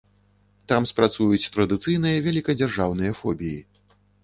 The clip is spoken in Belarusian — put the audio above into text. Там спрацуюць традыцыйныя вялікадзяржаўныя фобіі.